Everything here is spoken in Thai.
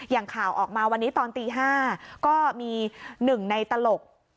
อย่างข่าวออกมาวันนี้ตอนตี๕ก็มีหนึ่งในตลก